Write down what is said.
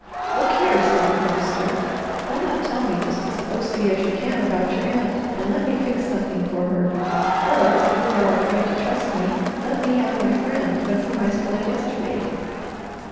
"Look here!" said the Harvester. "Why not tell me just as closely as you can about your aunt, and let me fix something for her; or if you are afraid to trust me, let me have my friend of whom I spoke yesterday."